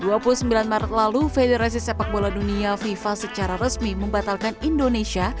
cukup kecewa lah dua puluh sembilan maret lalu federasi sepakbola dunia fifa secara resmi membatalkan indonesia